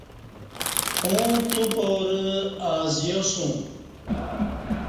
اوں تو پارہ اجیاسوم